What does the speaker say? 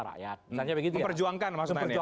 rakyat misalnya begitu ya memperjuangkan maksudnya